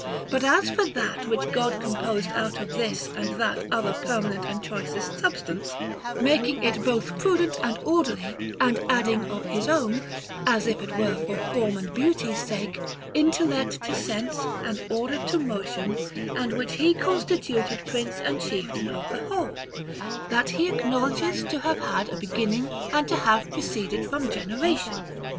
But as for that which God composed out of this and that other permanent and choicest substance, making it both prudent and orderly, and adding of his own, as if it were for form and beauty's sake, intellect to sense, and order to motion, and which he constituted prince and chieftain of the whole, — that he acknowledges to have had a beginning and to have pro ceeded from generation.